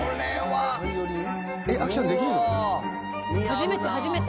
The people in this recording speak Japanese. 初めて初めて。